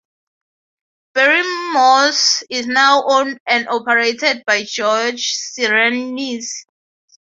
Barrymore's is now owned and operated by George Syriannis.